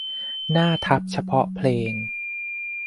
หน้าทับเฉพาะเพลง